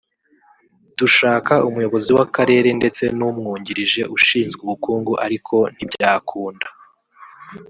dushaka umuyobozi w’akarere ndetse n’umwungirije ushinzwe ubukungu ariko ntibyakunda